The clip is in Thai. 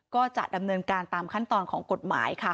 ก็จะดำเนินการตามขั้นตอนของกฎหมายค่ะ